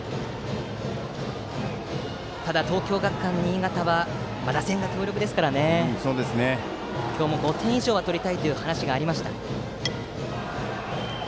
ただ、東京学館新潟は打線が強力ですから今日も５点以上は取りたいという話がありました。